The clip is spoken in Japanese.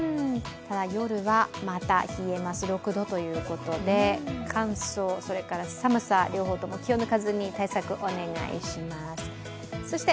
夜はまた冷えます、６度ということで、乾燥、寒さ、両方とも気を抜かずに対策、お願いします。